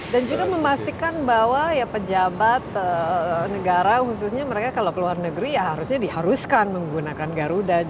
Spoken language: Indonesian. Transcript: dan juga memastikan bahwa ya pejabat negara khususnya mereka kalau ke luar negeri ya harusnya diharuskan menggunakan garuda